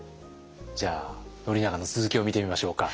じゃあ宣長の続きを見てみましょうか。